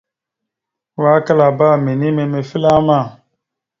Wa klaabba minime mefle ama.